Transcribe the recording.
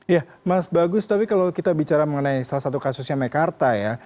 ya mas bagus tapi kalau kita bicara mengenai salah satu kasusnya mekarta ya